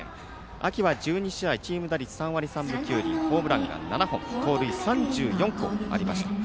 秋は１２試合チーム打率３割３分９厘、ホームラン７本盗塁３４とありました。